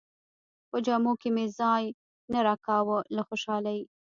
په جامو کې مې ځای نه راکاوه له خوشالۍ.